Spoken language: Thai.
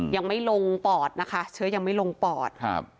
ยังไม่ลงปอดนะคะเชื้อยังไม่ลงปอดครับ